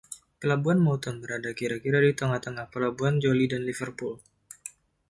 Pelabuhan Mouton berada kira-kira di tengah-tengah Pelabuhan Joli dan Liverpool.